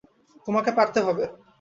তোমাকে পারতে হবে।